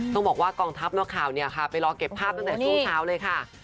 ต้องบอกว่ากองทัฟนอกข่าวไปรอเก็บภาพตั้งแต่ช่วงเช้าเลย